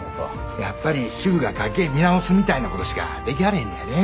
やっぱり主婦が家計見直すみたいなことしかできはれへんのやねぇ。